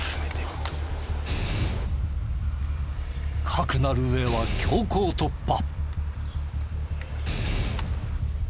かくなる上は強行突破。